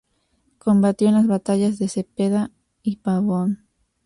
Combatió en las batallas de Cepeda y Pavón.